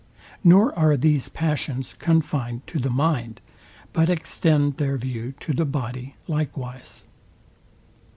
Nor are these passions confined to the mind but extend their view to the body likewise.